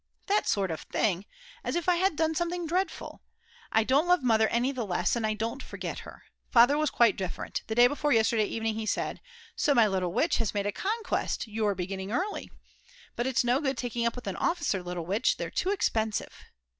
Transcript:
That sort of thing, as if I had done something dreadful! I don't love Mother any the less, and I don't forget her. Father was quite different; the day before yesterday evening he said: "So my little witch has made a conquest; you're beginning early. But it's no good taking up with an officer, little witch, they're too expensive."